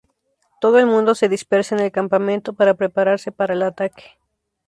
Todo el mundo se dispersa en el campamento para prepararse para el ataque.